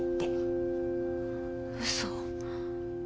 うそ。